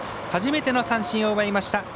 初めての三振を奪いました。